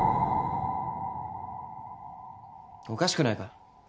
おかしくないか？